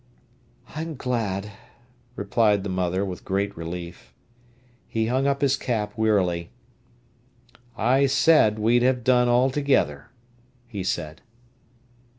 "I'm glad," replied the mother, with great relief. He hung up his cap wearily. "I said we'd have done altogether," he said.